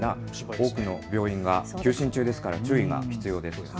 多くの病院が休診中ですから注意が必要です。